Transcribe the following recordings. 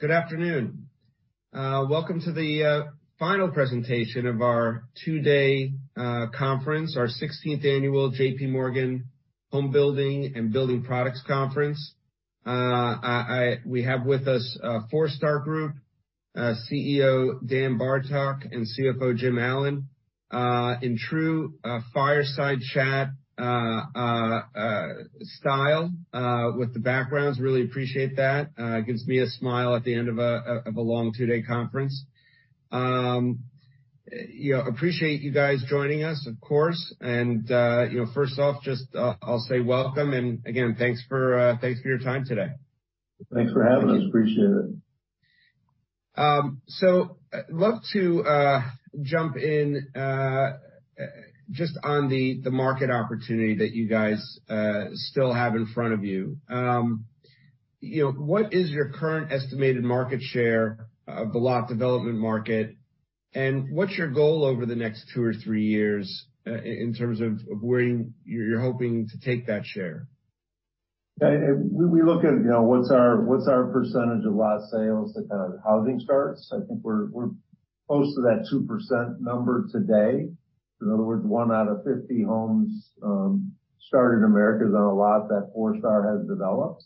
Good afternoon. Welcome to the final presentation of our 2-day conference, our 16th annual J.P. Morgan Home Building and Building Products Conference. I we have with us Forestar Group, CEO Dan Bartok and CFO Jim Allen, in true fireside chat style with the backgrounds. Really appreciate that. It gives me a smile at the end of a of a long 2-day conference. You know, appreciate you guys joining us, of course. You know, first off, just I'll say welcome. Again, thanks for your time today. Thanks for having us. Appreciate it. Love to jump in just on the market opportunity that you guys still have in front of you. You know, what is your current estimated market share of the lot development market, and what's your goal over the next two or three years in terms of where you're hoping to take that share? Yeah. We look at, you know, what's our, what's our percentage of lot sales to kind of housing starts. I think we're close to that 2% number today. In other words, 1 out of 50 homes, started in America is on a lot that Forestar has developed.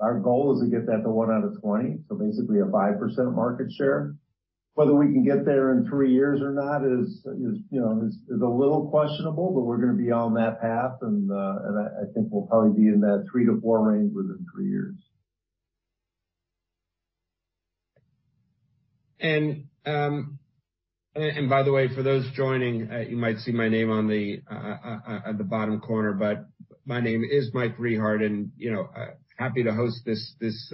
Our goal is to get that to 1 out of 20, so basically a 5% market share. Whether we can get there in 3 years or not is, you know, is a little questionable, but we're gonna be on that path. I think we'll probably be in that 3 to 4 range within 3 years. By the way, for those joining, you might see my name on the bottom corner, but my name is Mike Rehard, and, you know, happy to host this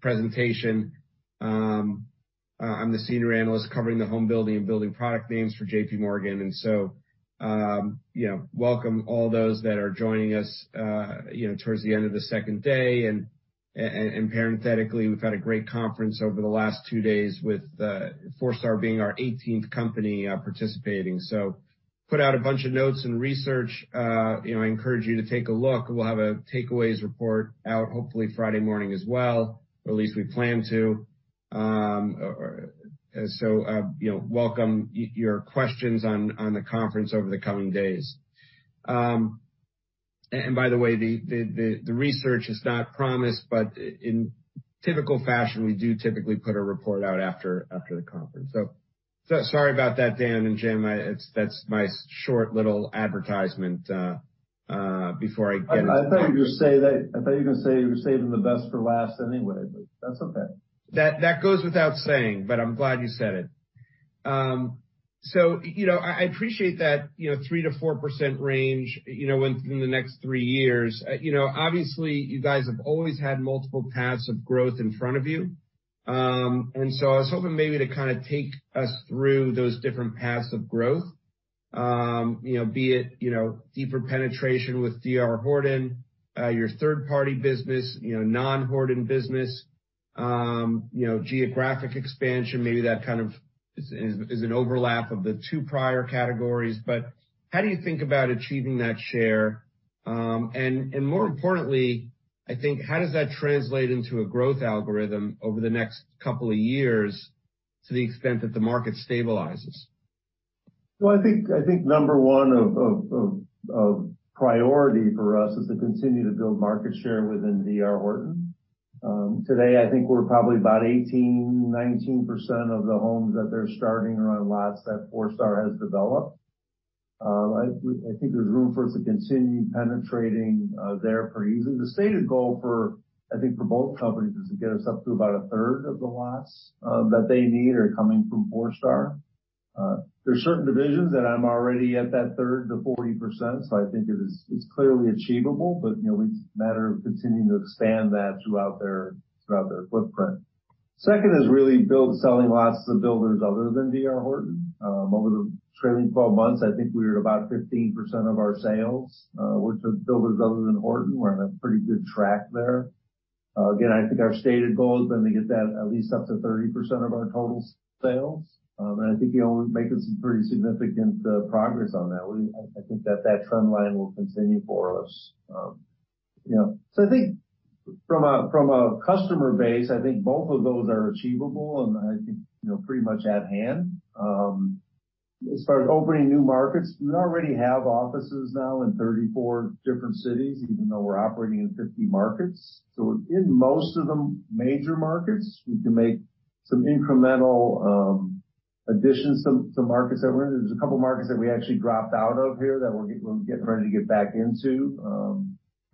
presentation. I'm the senior analyst covering the home building and building product names for JP Morgan. You know, welcome all those that are joining us, you know, towards the end of the second day. Parenthetically, we've had a great conference over the last 2 days with Forestar being our 18th company participating. Put out a bunch of notes and research. You know, I encourage you to take a look. We'll have a takeaways report out hopefully Friday morning as well, or at least we plan to. You know, welcome your questions on the conference over the coming days. The research is not promised, but in typical fashion, we do typically put a report out after the conference. Sorry about that, Dan and Jim. That's my short little advertisement. I thought you were gonna say we're saving the best for last anyway. That's okay. That goes without saying, but I'm glad you said it. You know, I appreciate that, you know, 3%-4% range, you know, in the next 3 years. You know, obviously, you guys have always had multiple paths of growth in front of you. I was hoping maybe to kind of take us through those different paths of growth, you know, be it, you know, deeper penetration with D.R. Horton, your third-party business, you know, non-Horton business, you know, geographic expansion, maybe that kind of is an overlap of the two prior categories. How do you think about achieving that share? And more importantly, I think, how does that translate into a growth algorithm over the next couple of years to the extent that the market stabilizes? Well, I think number one of priority for us is to continue to build market share within D.R. Horton. Today I think we're probably about 18%-19% of the homes that they're starting are on lots that Forestar has developed. I think there's room for us to continue penetrating their priorities. The stated goal for, I think, for both companies is to get us up to about 1/3 of the lots that they need are coming from Forestar. There's certain divisions that I'm already at that 30%-40%. I think it is, it's clearly achievable. You know, it's a matter of continuing to expand that throughout their footprint. Second is really build selling lots to builders other than D.R. Horton. Over the trailing twelve months, I think we were at about 15% of our sales, which was builders other than Horton. We're on a pretty good track there. Again, I think our stated goal has been to get that at least up to 30% of our total sales. I think we're making some pretty significant progress on that. I think that that trend line will continue for us. You know, so I think from a, from a customer base, I think both of those are achievable, and I think, you know, pretty much at hand. As far as opening new markets, we already have offices now in 34 different cities, even though we're operating in 50 markets. In most of the major markets, we can make some incremental additions to markets that we're in. There's a couple markets that we actually dropped out of here that we're getting ready to get back into.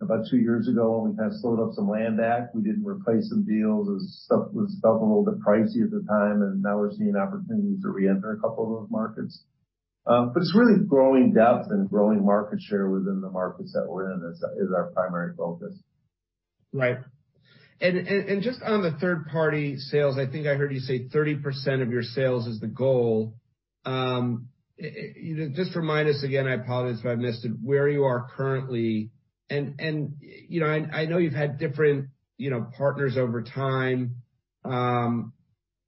About two years ago, when we kind of slowed up some land back, we didn't replace some deals as stuff was a little bit pricey at the time, and now we're seeing opportunities to reenter a couple of those markets. It's really growing depth and growing market share within the markets that we're in is our primary focus. Right. Just on the third-party sales, I think I heard you say 30% of your sales is the goal. You know, just remind us again, I apologize if I missed it, where you are currently. You know, and I know you've had different, you know, partners over time.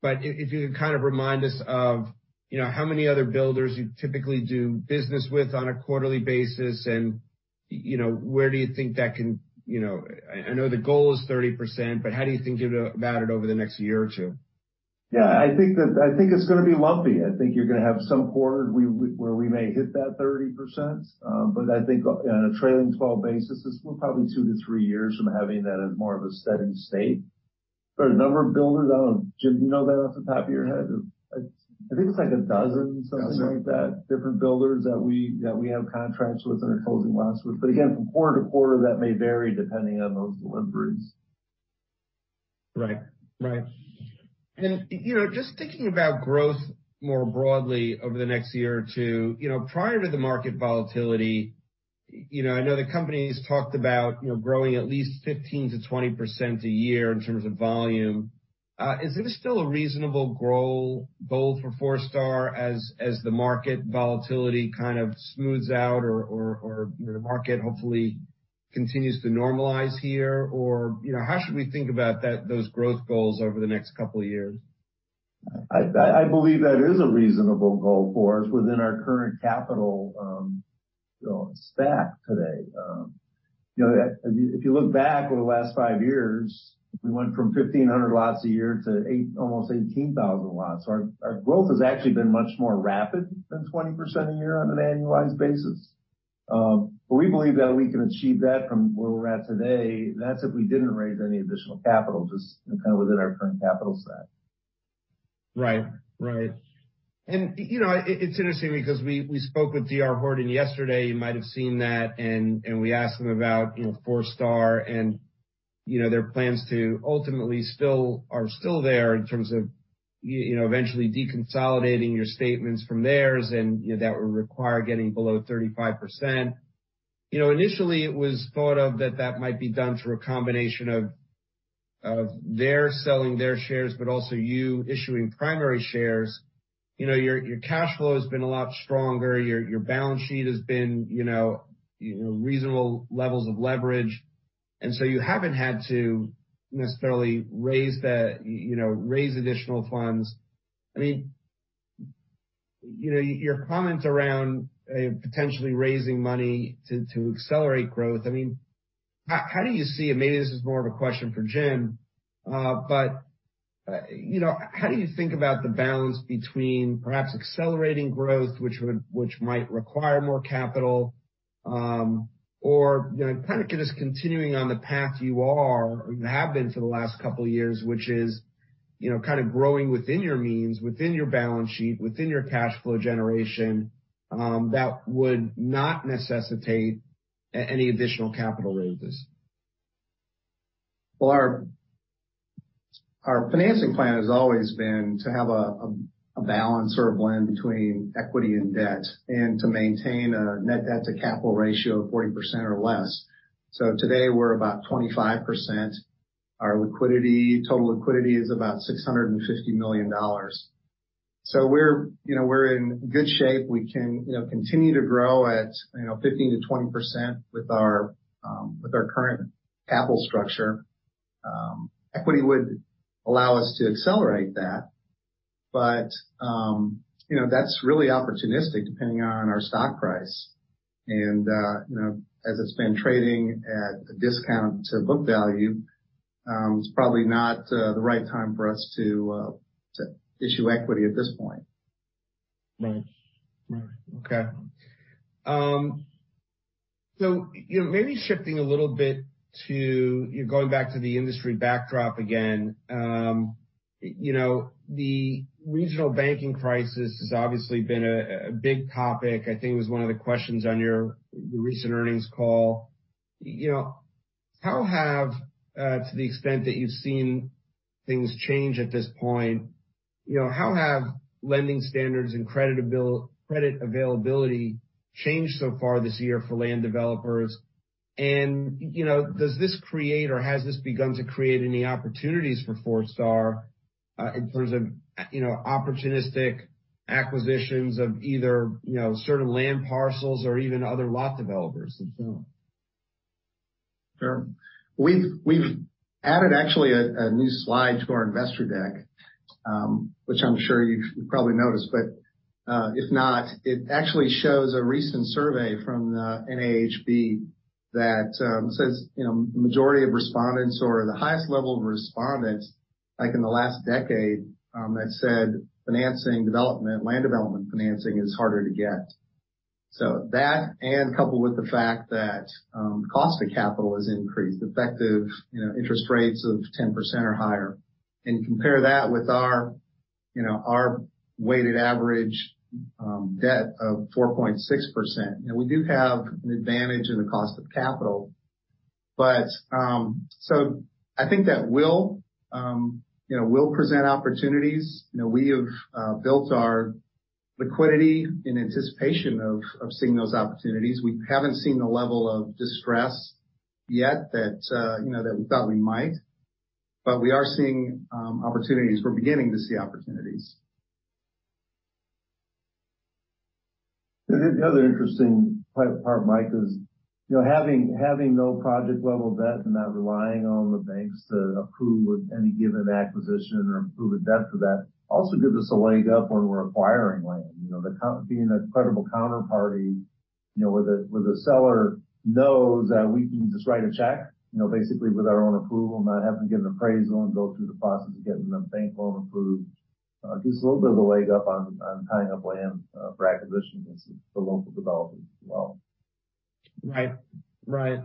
If you could kind of remind us of, you know, how many other builders you typically do business with on a quarterly basis, and you know, where do you think that can, you know? I know the goal is 30%, but how do you think about it over the next year or two? Yeah, I think it's gonna be lumpy. I think you're gonna have some quarters where we may hit that 30%. I think on a trailing twelve basis, we're probably 2 to 3 years from having that as more of a steady state. For the number of builders, I don't... Jim, do you know that off the top of your head? I think it's like a dozen, something like that. Gotcha. Different builders that we have contracts with and are closing lots with. Again, from quarter to quarter, that may vary depending on those deliveries. Right. Right. You know, just thinking about growth more broadly over the next year or 2, you know, prior to the market volatility, you know, I know the company's talked about, you know, growing at least 15%-20% a year in terms of volume. Is it still a reasonable goal for Forestar as the market volatility kind of smooths out or, you know, the market hopefully continues to normalize here? You know, how should we think about that, those growth goals over the next couple of years? I believe that is a reasonable goal for us within our current capital, you know, stack today. You know, if you look back over the last 5 years, we went from 1,500 lots a year to almost 18,000 lots. Our growth has actually been much more rapid than 20% a year on an annualized basis. We believe that we can achieve that from where we're at today. That's if we didn't raise any additional capital, just kind of within our current capital stack. Right. Right. You know, it's interesting because we spoke with D.R. Horton yesterday, you might have seen that, and we asked them about, you know, Forestar and, you know, their plans to ultimately are still there in terms of, you know, eventually deconsolidating your statements from theirs, and, you know, that would require getting below 35%. You know, initially it was thought of that that might be done through a combination of their selling their shares, but also you issuing primary shares. You know, your cash flow has been a lot stronger. Your balance sheet has been, you know, reasonable levels of leverage. So you haven't had to necessarily raise additional funds. I mean, you know, your comments around potentially raising money to accelerate growth, I mean, how do you see it? Maybe this is more of a question for Jim. But, you know, how do you think about the balance between perhaps accelerating growth, which might require more capital, or, you know, kind of just continuing on the path you are or have been for the last couple of years, which is, you know, kind of growing within your means, within your balance sheet, within your cash flow generation, that would not necessitate any additional capital raises? Well, our financing plan has always been to have a balance or a blend between equity and debt and to maintain a net debt-to-capital ratio of 40% or less. Today we're about 25%. Our liquidity, total liquidity is about $650 million. We're, you know, we're in good shape. We can, you know, continue to grow at, you know, 15%-20% with our current capital structure. Equity would allow us to accelerate that, but, you know, that's really opportunistic depending on our stock price. You know, as it's been trading at a discount to book value, it's probably not the right time for us to issue equity at this point. Right. Right. Okay. You know, maybe shifting a little bit to, you know, going back to the industry backdrop again. You know, the regional banking crisis has obviously been a big topic. I think it was one of the questions on your recent earnings call. You know, how have to the extent that you've seen things change at this point, you know, how have lending standards and credit availability changed so far this year for land developers? You know, does this create, or has this begun to create any opportunities for Forestar in terms of, you know, opportunistic acquisitions of either, you know, certain land parcels or even other lot developers if so? Sure. We've added actually a new slide to our investor deck, which I'm sure you've probably noticed, but if not, it actually shows a recent survey from NAHB that says, you know, majority of respondents or the highest level of respondents, like in the last decade, have said financing development, land development financing is harder to get. That and coupled with the fact that cost of capital has increased, effective, you know, interest rates of 10% or higher, and compare that with our, you know, our weighted average debt of 4.6%. You know, we do have an advantage in the cost of capital, but I think that will, you know, will present opportunities. You know, we have built our liquidity in anticipation of seeing those opportunities. We haven't seen the level of distress yet that, you know, that we thought we might. We are seeing opportunities. We're beginning to see opportunities. The other interesting part, Mike, is, you know, having no project level debt and not relying on the banks to approve any given acquisition or approve a debt for that also gives us a leg up when we're acquiring land. You know, being a credible counterparty, you know, where the seller knows that we can just write a check, you know, basically with our own approval, not having to get an appraisal and go through the process of getting the bank loan approved, gives a little bit of a leg up on tying up land for acquisition as the local developers as well. Right. Right.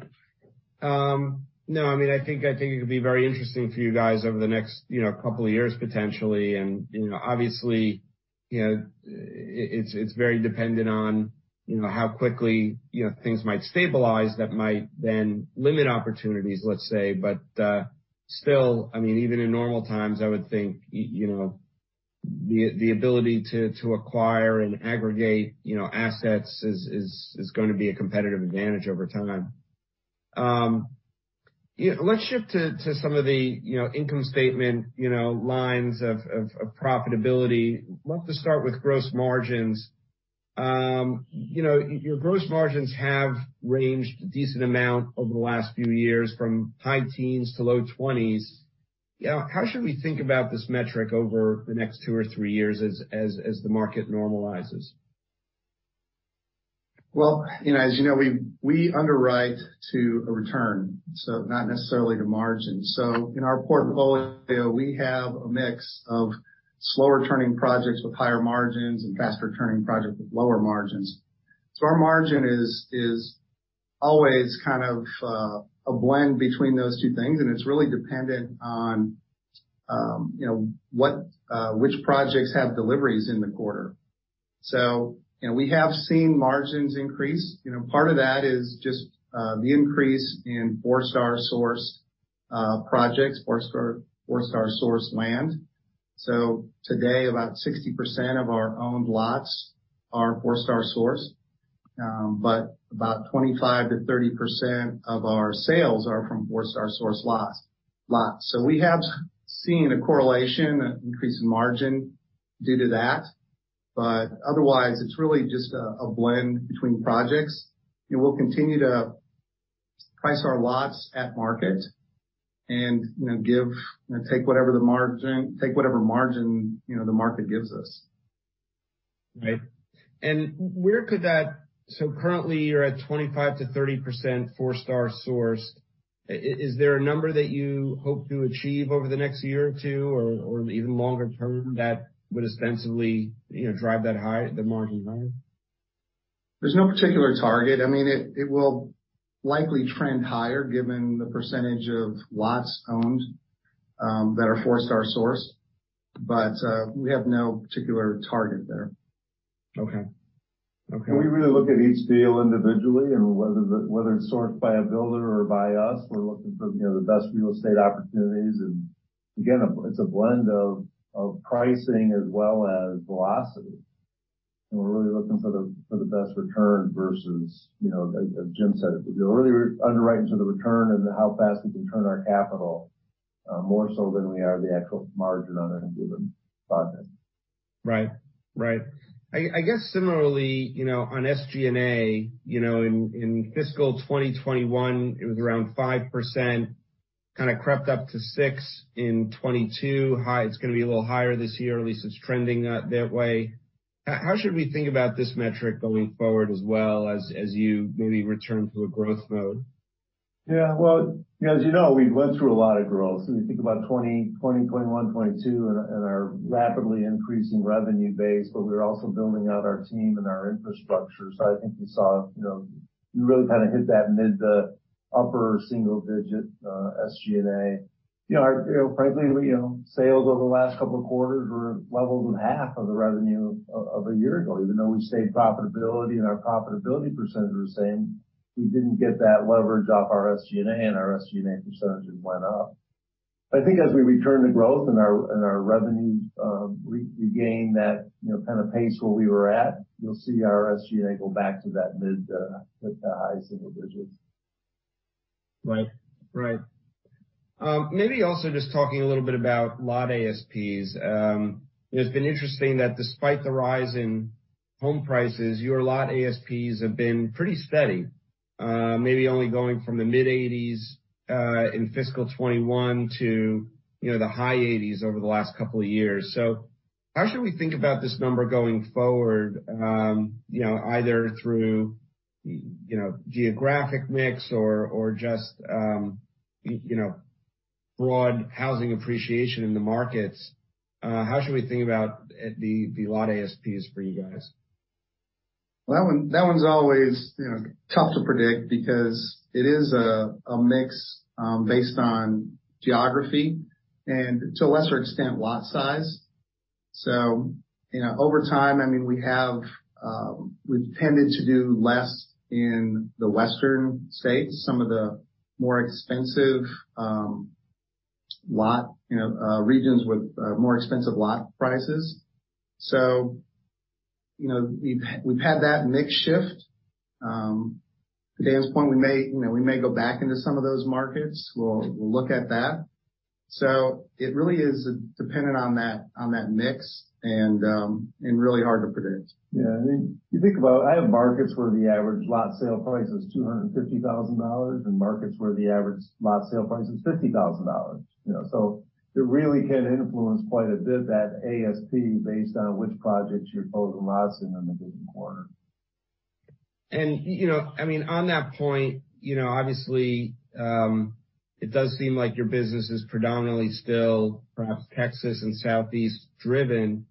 No, I mean, I think, I think it could be very interesting for you guys over the next, you know, couple of years, potentially. You know, obviously, you know, it's, it's very dependent on, you know, how quickly, you know, things might stabilize that might then limit opportunities, let's say. Still, I mean, even in normal times, I would think, you know, the ability to acquire and aggregate, you know, assets is, is gonna be a competitive advantage over time. Yeah. Let's shift to some of the, you know, income statement, you know, lines of, of profitability. Love to start with gross margins. You know, your gross margins have ranged a decent amount over the last few years from high teens to low twenties. You know, how should we think about this metric over the next two or three years as the market normalizes? Well, you know, as you know, we underwrite to a return, not necessarily to margin. In our portfolio, we have a mix of slower turning projects with higher margins and faster turning projects with lower margins. Our margin is always kind of a blend between those two things, and it's really dependent on, you know, what which projects have deliveries in the quarter. You know, we have seen margins increase. You know, part of that is just the increase in Forestar sourced projects, Forestar sourced land. Today, about 60% of our owned lots are Forestar sourced. About 25%-30% of our sales are from Forestar sourced lots. We have seen a correlation, an increase in margin due to that. Otherwise, it's really just a blend between projects, and we'll continue to price our lots at market and, you know, give and take whatever margin, you know, the market gives us. Right. Currently you're at 25%-30% Forestar sourced. Is there a number that you hope to achieve over the next year or two or even longer term that would ostensibly, you know, drive the margin higher? There's no particular target. I mean, it will likely trend higher given the percentage of lots owned, that are Forestar sourced. We have no particular target there. Okay. Okay. We really look at each deal individually whether it's sourced by a builder or by us, we're looking for, you know, the best real estate opportunities. Again, it's a blend of pricing as well as velocity. We're really looking for the best return versus, you know, as Jim said, we're really underwriting to the return and how fast we can turn our capital more so than we are the actual margin on a given project. Right. Right. I guess similarly, you know, on SG&A, you know, in fiscal 2021 it was around 5%, kinda crept up to 6% in 2022. It's gonna be a little higher this year, at least it's trending that way. How should we think about this metric going forward as well as you maybe return to a growth mode? Well, as you know, we went through a lot of growth. When you think about 2020, 2021, 2022 and our rapidly increasing revenue base, we were also building out our team and our infrastructure. I think you saw, you know, we really kind of hit that mid to upper single digit SG&A. You know, frankly, sales over the last couple of quarters were levels of half of the revenue of a year ago, even though we've stayed profitability and our profitability percentage was same. We didn't get that leverage off our SG&A, our SG&A percentage went up. I think as we return to growth and our revenues regain that, you know, kind of pace where we were at, you'll see our SG&A go back to that mid to high single digits. Right. Right. Maybe also just talking a little bit about lot ASPs. It's been interesting that despite the rise in home prices, your lot ASPs have been pretty steady, maybe only going from the mid-80s in fiscal 2021 to, you know, the high 80s over the last couple of years. How should we think about this number going forward, you know, either through, you know, geographic mix or just, you know, broad housing appreciation in the markets? How should we think about the lot ASPs for you guys? Well, that one's always, you know, tough to predict because it is a mix, based on geography and to a lesser extent, lot size. You know, over time, I mean, we have, we've tended to do less in the Western states, some of the more expensive, lot, you know, regions with, more expensive lot prices. You know, we've had that mix shift. To Dan's point, we may, you know, we may go back into some of those markets. We'll look at that. It really is dependent on that, on that mix and really hard to predict. Yeah. I mean, you think about I have markets where the average lot sale price is $250,000 and markets where the average lot sale price is $50,000. You know? It really can influence quite a bit that ASP based on which projects you're closing lots in the given quarter. You know, I mean, on that point, you know, obviously, it does seem like your business is predominantly still perhaps Texas and Southeast driven.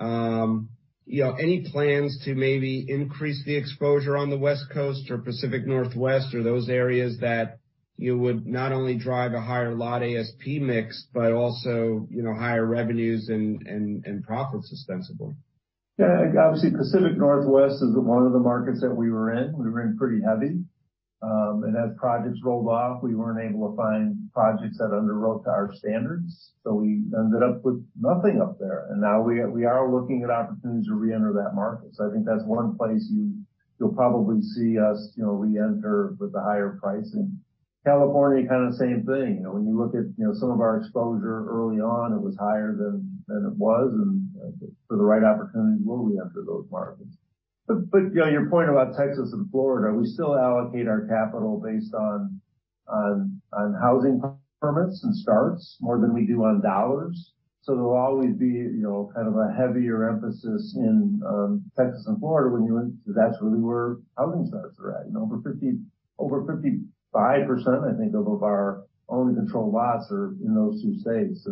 You know, any plans to maybe increase the exposure on the West Coast or Pacific Northwest or those areas that you would not only drive a higher lot ASP mix, but also, you know, higher revenues and, and profits ostensibly? Yeah. Obviously, Pacific Northwest is one of the markets that we were in. We were in pretty heavy. As projects rolled off, we weren't able to find projects that underwrote to our standards, so we ended up with nothing up there. Now we are looking at opportunities to reenter that market. I think that's one place you'll probably see us, you know, reenter with a higher pricing. California, kind of same thing. You know, when you look at, you know, some of our exposure early on, it was higher than it was and for the right opportunities, we'll reenter those markets. You know, your point about Texas and Florida, we still allocate our capital based on housing permits and housing starts more than we do on dollars. There'll always be, you know, kind of a heavier emphasis in Texas and Florida 'cause that's really where housing starts are at. You know, over 55%, I think of our owned and controlled lots are in those two states.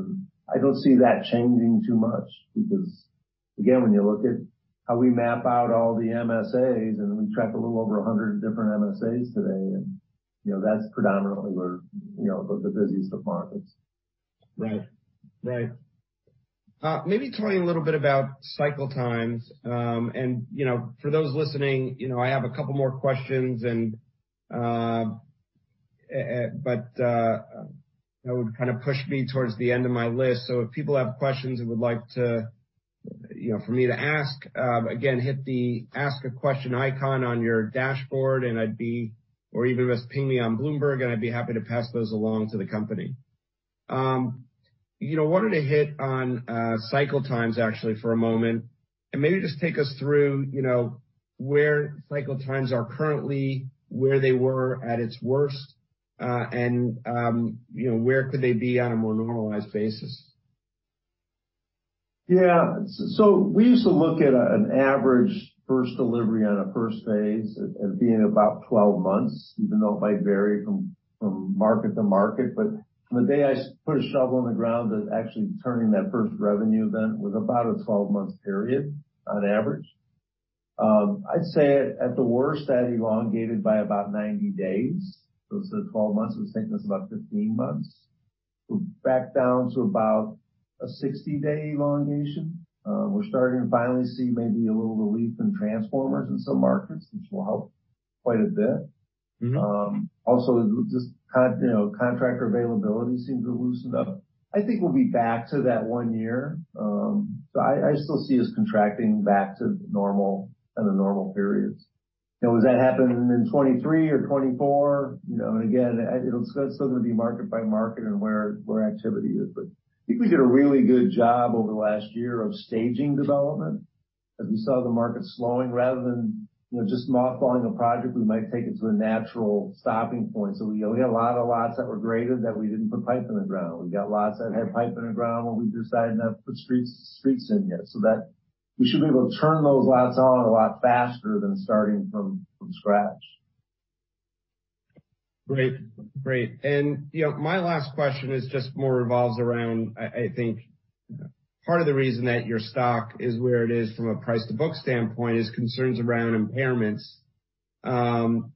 I don't see that changing too much because again, when you look at how we map out all the MSAs, we track a little over 100 different MSAs today. You know, that's predominantly where, you know, the busiest markets. Right. Right. Maybe talking a little bit about cycle times. You know, for those listening, you know, I have a couple more questions and, but, that would kind of push me towards the end of my list. If people have questions and would like to, you know, for me to ask, again, hit the ask a question icon on your dashboard, or even just ping me on Bloomberg, and I'd be happy to pass those along to the company. You know, wanted to hit on, cycle times actually for a moment, and maybe just take us through, you know, where cycle times are currently, where they were at its worst, and, you know, where could they be on a more normalized basis. Yeah. We used to look at an average first delivery on a first phase as being about 12 months, even though it might vary from market to market. From the day I put a shovel in the ground to actually turning that first revenue event was about a 12-month period on average. I'd say at the worst, that elongated by about 90 days. Instead of 12 months, it was taking us about 15 months. We're back down to about a 60-day elongation. We're starting to finally see maybe a little relief in transformers in some markets, which will help quite a bit. Mm-hmm. Also just you know, contractor availability seems to have loosened up. I think we'll be back to that 1 year. I still see us contracting back to normal, kind of normal periods. Now, does that happen in 2023 or 2024? You know, again, it'll it's still gonna be market by market and where activity is. I think we did a really good job over the last year of staging development. As we saw the market slowing rather than, you know, just mothballing a project, we might take it to a natural stopping point. We, we had a lot of lots that were graded that we didn't put pipe in the ground. We got lots that had pipe in the ground where we decided not to put streets in yet, so that we should be able to turn those lots on a lot faster than starting from scratch. Great. Great. You know, my last question is just more revolves around, I think part of the reason that your stock is where it is from a price to book standpoint is concerns around impairments. I'm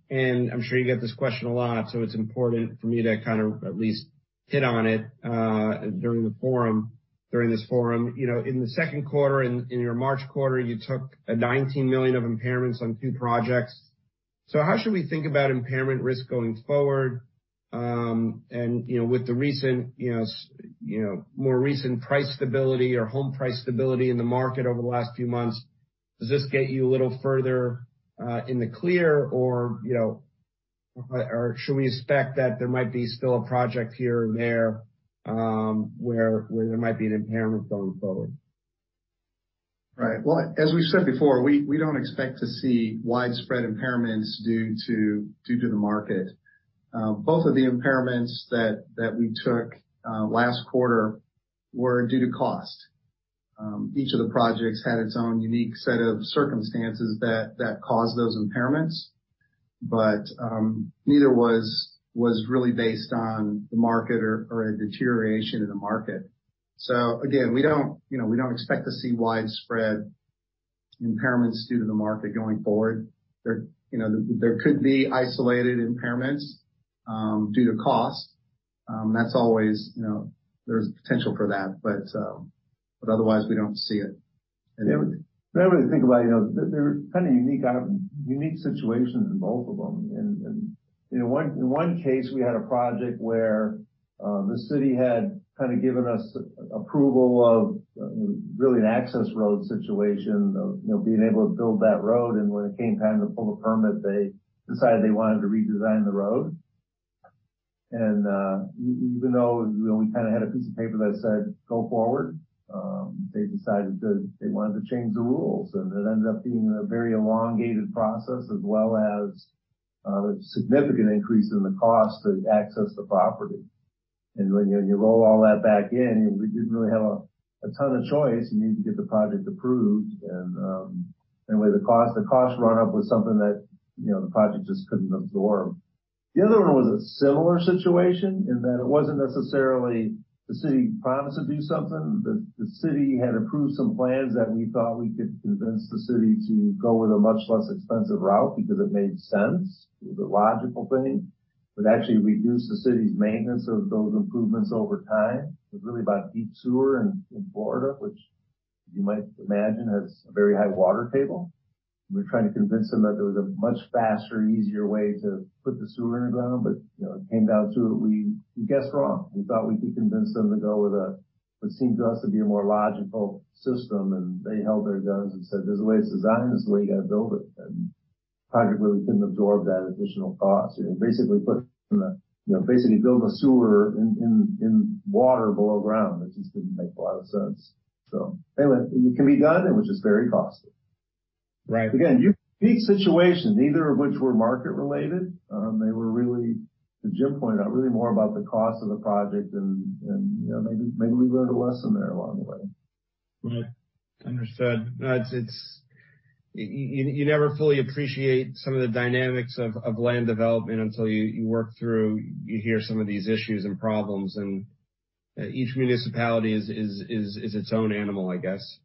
sure you get this question a lot, so it's important for me to kind of at least hit on it during this forum. You know, in the second quarter, in your March quarter, you took a $19 million of impairments on 2 projects. How should we think about impairment risk going forward? You know, with the recent, you know, more recent price stability or home price stability in the market over the last few months, does this get you a little further in the clear or, you know, or should we expect that there might be still a project here and there, where there might be an impairment going forward? Right. Well, as we've said before, we don't expect to see widespread impairments due to the market. Both of the impairments that we took last quarter were due to cost. Each of the projects had its own unique set of circumstances that caused those impairments. Neither was really based on the market or a deterioration in the market. Again, we don't, you know, we don't expect to see widespread impairments due to the market going forward. There, you know, there could be isolated impairments due to cost. That's always, you know, there's potential for that, but otherwise, we don't see it. Yeah. When I really think about it, you know, they're kind of unique item, unique situations in both of them. In one case, we had a project where, the city had kind of given us approval of, really an access road situation of, you know, being able to build that road. When it came time to pull the permit, they decided they wanted to redesign the road. Even though we only kind of had a piece of paper that said, "Go forward," they decided they wanted to change the rules. It ended up being a very elongated process as well as, a significant increase in the cost to access the property. When you roll all that back in, we didn't really have a ton of choice. You need to get the project approved. Anyway, the cost run-up was something that, you know, the project just couldn't absorb. The other one was a similar situation in that it wasn't necessarily the city promised to do something. The city had approved some plans that we thought we could convince the city to go with a much less expensive route because it made sense. It was a logical thing. It would actually reduce the city's maintenance of those improvements over time. It was really about deep sewer in Florida, which you might imagine has a very high water table. We were trying to convince them that there was a much faster, easier way to put the sewer in the ground, you know, it came down to it. We guessed wrong. We thought we could convince them to go with what seemed to us to be a more logical system. They held their guns and said, "This is the way it's designed, this is the way you got to build it." The project really couldn't absorb that additional cost. You know, basically put in a, you know, basically build a sewer in water below ground. It just didn't make a lot of sense. Anyway, it can be done, it was just very costly. Right. Unique situations, neither of which were market related. They were really, as Jim pointed out, really more about the cost of the project and, you know, maybe we learned a lesson there along the way. Right. Understood. No, it's, you never fully appreciate some of the dynamics of land development until you work through, you hear some of these issues and problems, and each municipality is its own animal, I guess.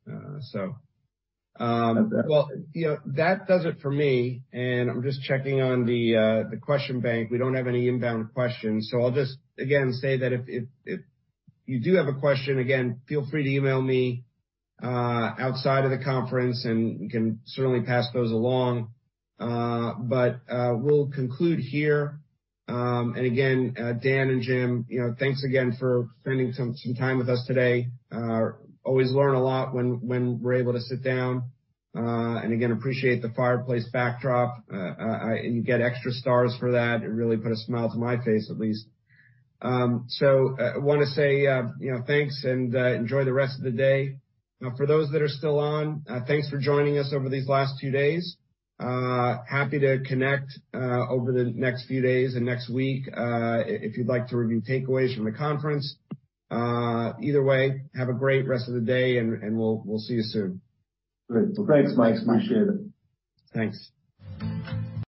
Well, you know, that does it for me. I'm just checking on the question bank. We don't have any inbound questions. I'll just, again, say that if you do have a question, again, feel free to email me outside of the conference, and we can certainly pass those along. We'll conclude here. Again, Dan and Jim, you know, thanks again for spending some time with us today. Always learn a lot when we're able to sit down. Again, appreciate the fireplace backdrop. You get extra stars for that. It really put a smile to my face, at least. I wanna say, you know, thanks, and enjoy the rest of the day. Now, for those that are still on, thanks for joining us over these last few days. Happy to connect over the next few days and next week, if you'd like to review takeaways from the conference. Either way, have a great rest of the day, and we'll see you soon. Great. Well, thanks, Mike. Appreciate it. Thanks.